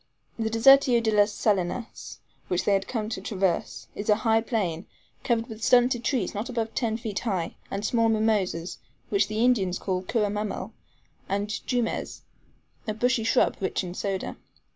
The Desertio de las Salinas, which they had to traverse, is a dry plain, covered with stunted trees not above ten feet high, and small mimosas, which the Indians call curra mammel; and JUMES, a bushy shrub, rich in soda.